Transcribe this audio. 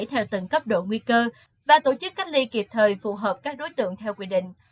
theo từng cấp độ nguy cơ và tổ chức cách ly kịp thời phù hợp các đối tượng theo quy định